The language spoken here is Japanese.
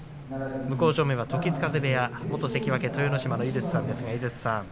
向正面は時津風部屋元関脇豊ノ島の井筒さんです。